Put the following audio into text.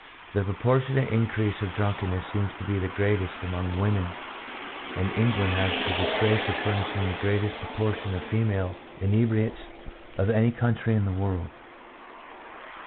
The proportionate increase of drunkenness seems to be greatest among women, and England has the disgrace of furnishing the greatest pro portion of female inebriates of any country in the world.